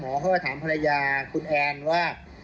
เขาก็ถามภรรยาคุณแอนว่า